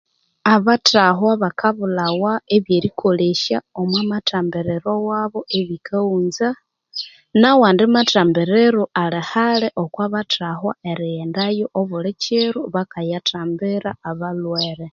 Abatahwa bakabulhawamo ebyerikolesya omwamathambiriro wabo ebikaghunza nawandi mathambiriro alhi halhi erighendayo obulhikiro bakathambirirayo